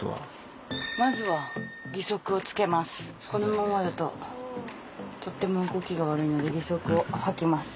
このままだととても動きが悪いので義足を履きます。